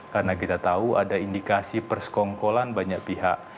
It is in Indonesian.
karena kita tahu ada indikasi persekongkolan banyak pihak